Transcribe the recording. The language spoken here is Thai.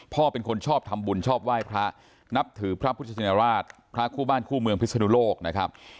พ่อเป็นคนชอบทำบุญชอบไหว้พระนับถือพระพุทธชินราชพระคู่บ้านคู่เมืองพิศนุโลกนะครับ